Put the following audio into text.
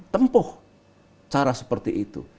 tempuh cara seperti itu